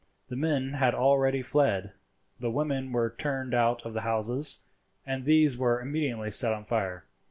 The men had already fled; the women were turned out of the houses, and these were immediately set on fire.